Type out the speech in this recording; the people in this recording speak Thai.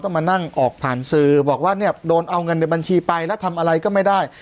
มานั่งออกผ่านสื่อบอกว่าเนี่ยโดนเอาเงินในบัญชีไปแล้วทำอะไรก็ไม่ได้